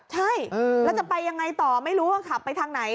ใช่แล้วจะไปยังไงต่อไม่รู้ว่าขับไปทางไหน